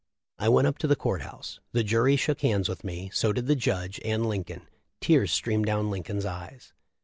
I went up to the court house. The jury shook hands with me ; so did the judge and Lincoln; tears streamed down Lincoln's eyes